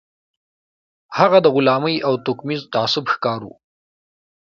هغه د غلامۍ او توکميز تعصب ښکار و.